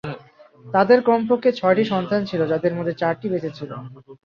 তাদের কমপক্ষে ছয়টি সন্তান ছিল, যাদের মধ্যে চারটি বেঁচে ছিল।